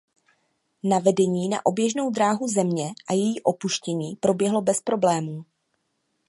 Navedení na oběžnou dráhu Země a její opuštění proběhlo bez problémů.